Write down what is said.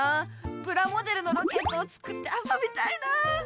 プラモデルのロケットを作ってあそびたいな。